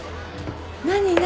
何？